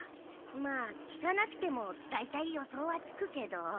まあ聞かなくてもだいたい予想はつくけど。